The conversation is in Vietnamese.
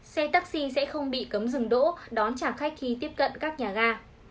xe taxi sẽ không bị cấm dừng đỗ đón trả khách khi tiếp cận các nhà ga